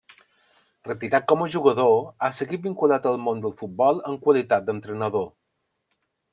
Retirat com a jugador, ha seguit vinculat al món del futbol en qualitat d'entrenador.